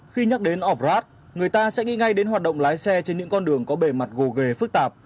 khi nhắc đến off road người ta sẽ nghĩ ngay đến hoạt động lái xe trên những con đường có bề mặt gồ gà